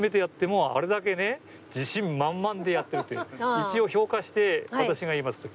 一応評価して私が言いますと。